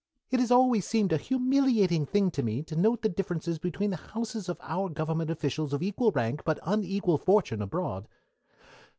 It has always seemed a humiliating thing to me to note the differences between the houses of our government officials of equal rank, but of unequal fortune, abroad.